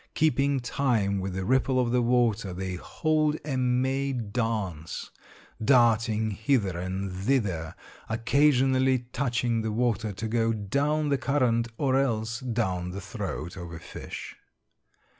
Keeping time with the ripple of the water, they hold a May dance; darting hither and thither, occasionally touching the water to go down the current, or else down the throat of a fish.